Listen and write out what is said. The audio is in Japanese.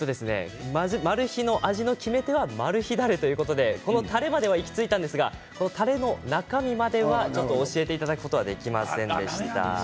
味の決め手はマル秘だれということでこのたれまで行き着いたんですが中身までは教えていただくことはできませんでした。